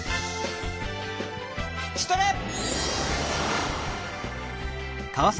ストレッ！